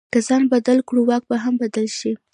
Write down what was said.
که ځان بدل کړو، واک به هم بدل شي.